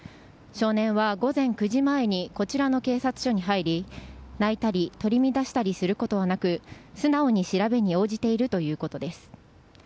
少年は午前９時前にこちらの警察署に入り泣いたり取り乱したりすることはなく素直に調べに応じているということです。